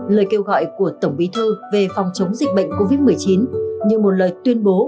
lời kêu gọi của tổng bí thư về phòng chống dịch bệnh covid một mươi chín như một lời tuyên bố